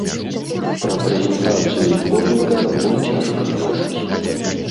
Пра прэзентацыю зборніка пакуль цяжка гаварыць.